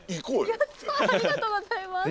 やったありがとうございます。